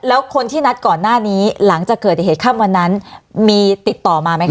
แล้วคนที่นัดก่อนหน้านี้หลังจากเกิดเหตุค่ำวันนั้นมีติดต่อมาไหมคะ